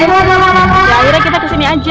ya akhirnya kita kesini aja